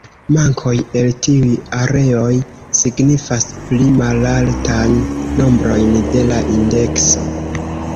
Mankoj el tiuj areoj signifas pli malaltan nombrojn de la indekso.